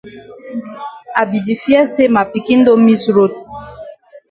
I be di fear say ma pikin don miss road.